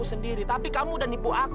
ketua perempuan tau gak